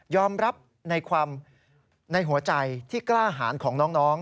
ยอมรับในความในหัวใจที่กล้าหาญของน้อง